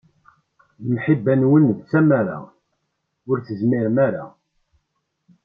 Lemḥiba-nwen d tamara, ur tezmirem ara.